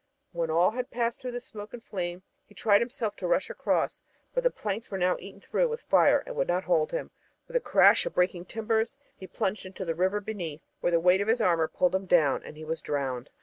When all had passed through the smoke and flame he tried himself to rush across but the planks were now eaten through with fire and would not hold him. With a crash of breaking timbers he plunged into the river beneath, where the weight of his armor pulled him down and he was drowned.